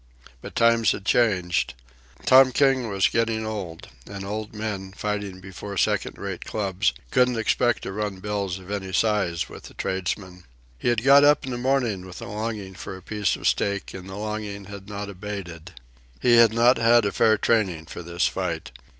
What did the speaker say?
But times had changed. Tom King was getting old; and old men, fighting before second rate clubs, couldn't expect to run bills of any size with the tradesmen. He had got up in the morning with a longing for a piece of steak, and the longing had not abated. He had not had a fair training for this fight.